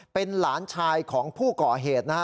เป็นหลานชายของผู้ก่อเหตุนะฮะ